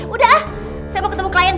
udah ah saya mau ketemu klien